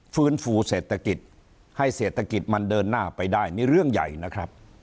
ฟื้นฟูเศรษฐกิจให้เศรษฐกิจมันเดินหน้าไปได้นี่เรื่องใหญ่นะครับ